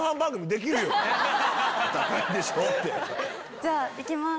じゃあ行きます。